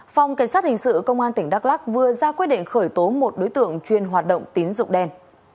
phòng cảnh sát hình sự công an tỉnh đắk lắc vừa ra quyết định khởi tố một đối tượng chuyên hoạt động tín dụng đen